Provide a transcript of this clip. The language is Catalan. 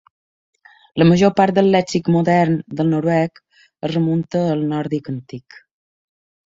La major part del lèxic modern del noruec es remunta al nòrdic antic.